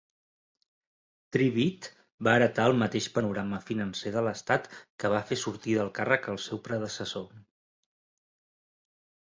Tribbitt va heretar el mateix panorama financer de l'estat que va fer sortir del càrrec al seu predecessor.